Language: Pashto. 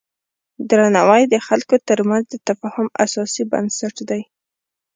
درناوی د خلکو ترمنځ د تفاهم اساسي بنسټ دی.